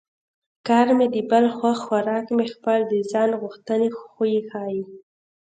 کار مې د بل خوښ خوراک مې خپل د ځان غوښتنې خوی ښيي